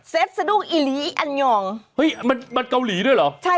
เซ็ดสะดุ้งอีหลีอันยองเฮ้ยมันเกาหลีด้วยเหรอ